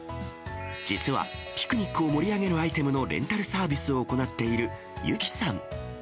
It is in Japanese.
実は、ピクニックを盛り上げるアイテムのレンタルサービスを行っているユキさん。